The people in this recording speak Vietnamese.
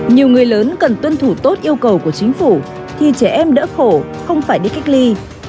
nhiều người lớn cần tuân thủ tốt yêu cầu của chính phủ thì trẻ em đỡ khổ không phải đi cách ly